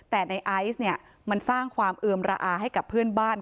แต่ในไอซ์เนี่ยมันสร้างความเอือมระอาให้กับเพื่อนบ้าน